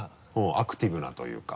アクティブなというか。